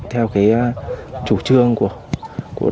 theo cái chủ trương của